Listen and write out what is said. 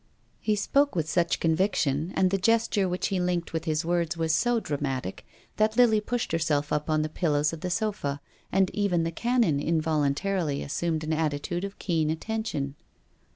He spoke with such conviction, and the gesture which he linked with his words was so dramatic, that Lily pushed herself up on the pillows of the sofa, and even the Canon involuntarily assumed an attitude of keen attention.